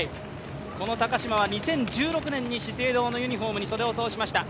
この高島は２０１６年に資生堂のユニフォームに袖を通しました。